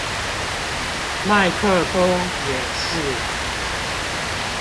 麥克風也是